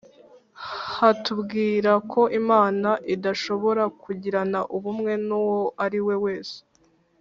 hatubwira ko Imana idashobora kugirana ubumwe n'uwo ariwe wese